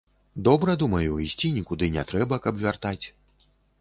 Добра, думаю, ісці нікуды не трэба, каб вяртаць.